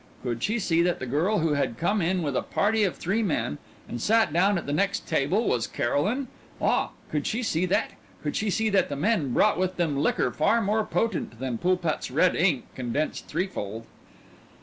Could she see that the girl who had come in with a party of three men and sat down at the next table was Caroline? Ah, could she see that? Could she see that the men brought with them liquor far more potent than Pulpat's red ink condensed threefold?...